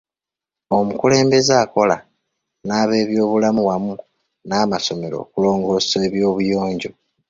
Omukulembeze akola n'abebyobulamu wamu n'amasomero okulongoosa eby'obuyonjo.